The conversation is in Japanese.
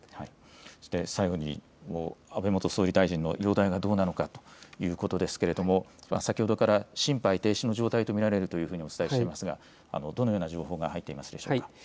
最後に安倍元総理大臣の容体がどうなのかということですけれども先ほどから心肺停止の状態と見られるとお伝えしていますがどのような情報が入っていますでしょうか。